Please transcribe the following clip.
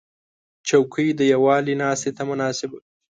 چوکۍ د یووالي ناستې ته مناسب وي.